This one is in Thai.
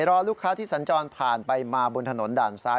รอลูกค้าที่สัญจรผ่านไปมาบนถนนด่านซ้าย